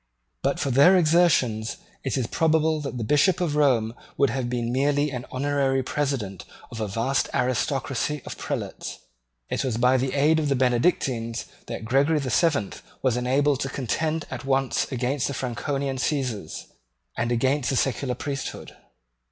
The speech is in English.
But for their exertions it is probable that the Bishop of Rome would have been merely the honorary president of a vast aristocracy of prelates. It was by the aid of the Benedictines that Gregory the Seventh was enabled to contend at once against the Franconian Caesars and against the secular priesthood.